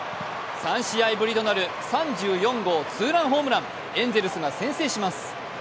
３試合ぶりとなる３４号ツーランホームラン、エンゼルスが先制します。